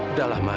udah lah ma